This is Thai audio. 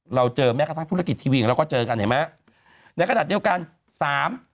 เราเจอแม้กระทั่งธุรกิจทีวีเราก็เจอกันเห็นไหม